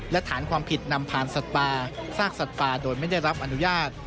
และฐานความผิดนำผ่านสัตว์ป่าซากสัตว์ป่าโดยไม่ได้รับอนุญาต